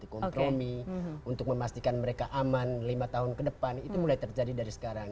kompromi untuk memastikan mereka aman lima tahun ke depan itu mulai terjadi dari sekarang